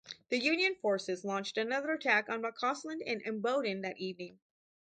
The Union forces launched another attack on McCausland and Imboden that evening.